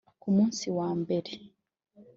Ku musi wa mbere